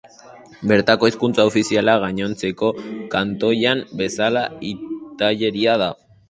Bertako hizkuntza ofiziala, gainontzeko kantoian bezala, italiera da.